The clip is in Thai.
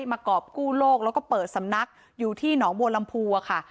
มากรอบกู้โลกแล้วก็เปิดสำนักอยู่ที่หนองบัวลำพูอะค่ะ